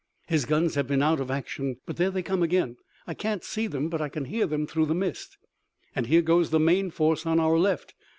"His guns have been out of action, but there they come again! I can't see them, but I can hear them through the mist." "And here goes the main force on our left.